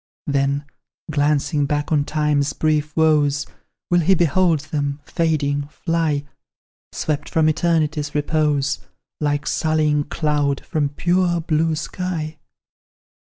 "Then, glancing back on Time's brief woes, Will he behold them, fading, fly; Swept from Eternity's repose, Like sullying cloud from pure blue sky?